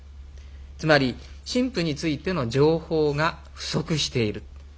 つまり新婦についての情報が不足している。